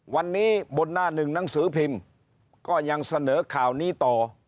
วันนี้บนหน้าหนึ่งหนังสือพิมพ์ก็ยังเสนอข่าวนี้ต่อ